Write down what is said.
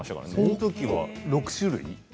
そのときは６種類？